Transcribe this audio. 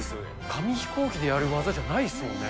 紙飛行機でやる技じゃないですよね。